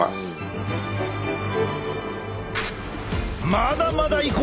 まだまだいこう！